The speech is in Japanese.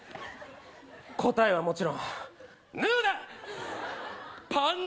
答えはもちろん、ヌーだ！